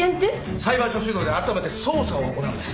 裁判所主導であらためて捜査を行うんです。